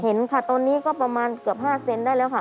เห็นค่ะตอนนี้ก็ประมาณเกือบ๕เซนได้แล้วค่ะ